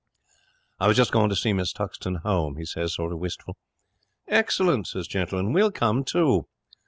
"I was just going to see Miss Tuxton home," he says, sort of wistful. "Excellent," says Gentleman. "We'll come too."